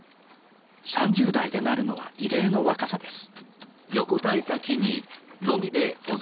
３０代でなるのは異例の若さです